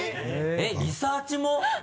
えっリサーチも？